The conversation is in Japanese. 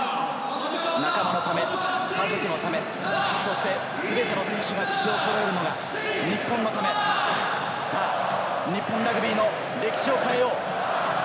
仲間のため家族のため、そして全ての選手が口を揃えるのが日本のため、日本ラグビーの歴史を変えよう。